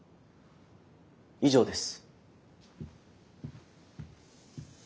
以上です。